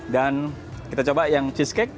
dan kita coba yang cheesecake seperti apa